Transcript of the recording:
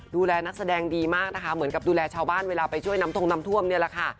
ดูแลนักแสดงดีมากนะคะเหมือนกับดูแลชาวบ้านเวลาไปช่วยน้ำทงน้ำท่วมเนี่ยแหละค่ะ